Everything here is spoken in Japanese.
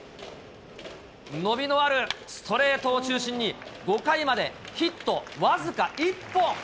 伸びのあるストレートを中心に、５回までヒット僅か１本。